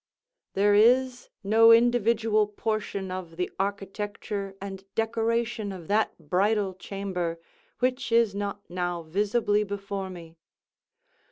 There is no individual portion of the architecture and decoration of that bridal chamber which is not now visibly before me.